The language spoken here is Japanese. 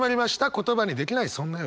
「言葉にできない、そんな夜。」。